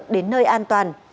đến nơi an toàn